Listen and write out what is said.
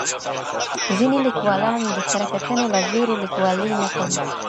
ځینې لیکوالان د کره کتنې له ویرې لیکوالۍ نه کوي.